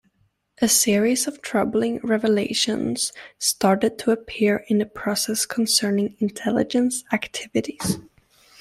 A series of troubling revelations started to appear in the press concerning intelligence activities.